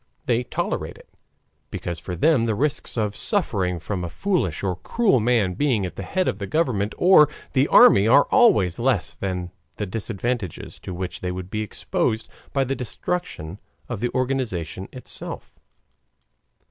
They tolerate it, because for them the risks of suffering from a foolish or cruel man being at the head of the government or the army are always less than the disadvantages to which they would be exposed by the destruction of the organization itself.